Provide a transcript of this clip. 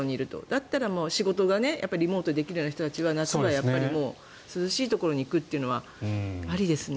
だったら仕事がリモートでできる人は夏は涼しいところに行くのはありですね。